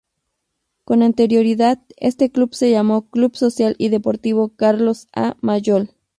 Con anterioridad este club se llamó Club Social y Deportivo Carlos A. Mayol.